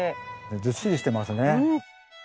ずっしりしてますね。